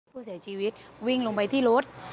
ผู้เสียชีวิตวิ่งลงไปที่รถ